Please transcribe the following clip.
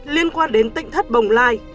liên quan đến vấn đề liên quan